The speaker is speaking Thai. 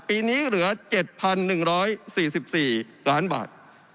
ปีนี้เหลือ๗๑๔๔ล้านบาท